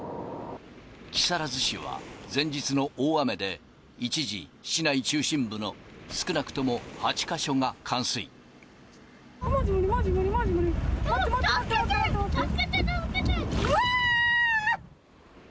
木更津市は前日の大雨で、一時、市内中心部の少なくとも８か所がまじ無理、まじ無理、まじ無理。